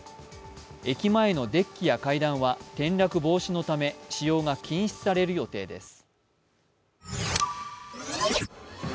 駅前のデッキや階段は転落防止のため使用が禁止される予定です。